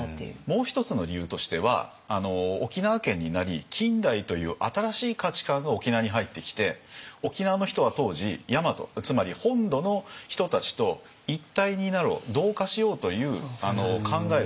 もう一つの理由としては沖縄県になり近代という新しい価値観が沖縄に入ってきて沖縄の人は当時大和つまり本土の人たちと一体になろう同化しようという考えがすごくあって。